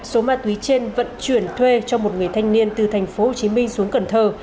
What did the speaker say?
số ma túy trên vận chuyển thuê cho một người thanh niên từ tp hcm xuống cần thơ